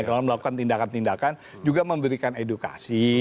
kalau melakukan tindakan tindakan juga memberikan edukasi